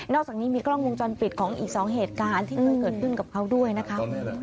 อกจากนี้มีกล้องวงจรปิดของอีกสองเหตุการณ์ที่เคยเกิดขึ้นกับเขาด้วยนะคะ